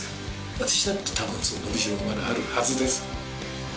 私だって多分伸び代がまだあるはずです。